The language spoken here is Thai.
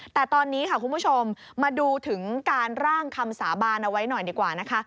แต่ตอนนี้ค่ะคุณผู้ชมมาดูถึงการร่างคำสาบานเอาไว้หน่อยดีกว่านะคะ